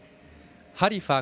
ハリファ